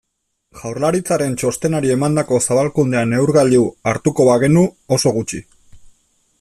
Jaurlaritzaren txostenari emandako zabalkundea neurgailu hartuko bagenu, oso gutxi.